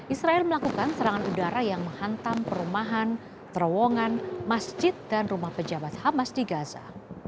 israel melakukan serangan udara yang menghantam perumahan terowongan masjid dan rumah pejabat hamas di gaza